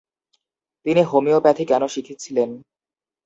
তিনি হোমিওপ্যাথি কেন শিখেছিলেন?